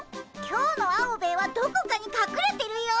今日のアオベエはどこかにかくれてるよ。